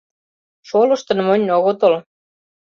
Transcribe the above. Шолыштын монь огытыл.